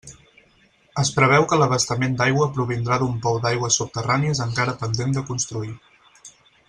Es preveu que l'abastament d'aigua provindrà d'un pou d'aigües subterrànies encara pendent de construir.